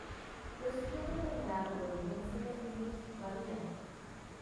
Los signos de enfermedad de los riñones en los niños varían.